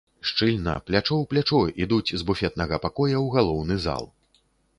Шчыльна, плячо ў плячо, ідуць з буфетнага пакоя ў галоўны зал.